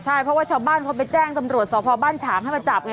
ใช่เพราะว่าชาวบ้านเขาไปแจ้งตำรวจสพบ้านฉางให้มาจับไง